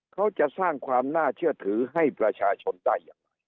เขาจะสร้างความน่าเชื่อถือให้ประชาชนได้อย่างไร